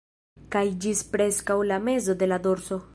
Kaj ĝis preskaŭ la mezo de la dorso